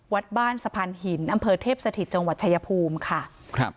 วัดบ้านสะพานหินอำเภอเทพสถิตจังหวัดชายภูมิค่ะครับ